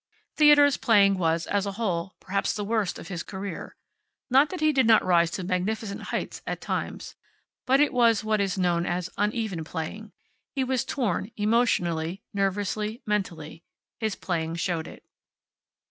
Theodore's playing was, as a whole, perhaps the worst of his career. Not that he did not rise to magnificent heights at times. But it was what is known as uneven playing. He was torn emotionally, nervously, mentally. His playing showed it.